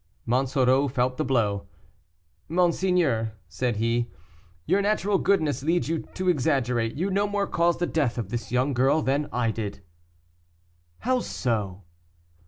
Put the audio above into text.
Monsoreau felt the blow. "Monseigneur," said he, "your natural goodness leads you to exaggerate, you no more caused the death of this young girl than I did." "How so?"